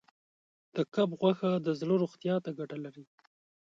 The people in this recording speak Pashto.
د کب غوښه د زړه روغتیا ته ګټه لري.